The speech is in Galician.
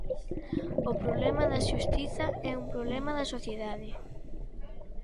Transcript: "O problema da Xustiza é un problema da sociedade".